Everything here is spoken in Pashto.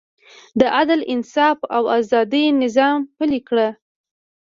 د عدل، انصاف او ازادۍ نظام پلی کړ.